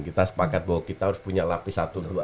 kita sepakat bahwa kita harus punya lapis satu dua